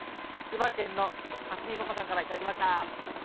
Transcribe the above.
千葉県のかすみパパさんから頂きました。